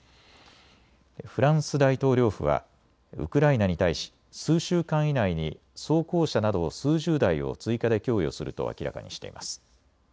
フランス大統領府はウクライナに対し、数週間以内に装甲車など数十台を追加で供与すると明らかにしています。